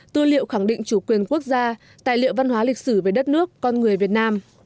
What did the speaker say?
tư liệu khẳng định chủ quyền quốc gia tài liệu văn hóa lịch sử về đất nước con người việt nam